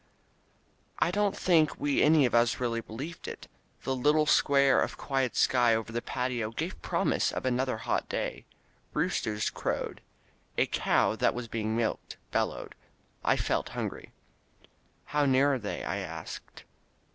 I don't think we any of us really believed it. The little square of quiet sky over the patio gave promise of another hot day. Roosters crowed. A cow that was being milked bellowed. I felt hungry. "How near are they?" I asked.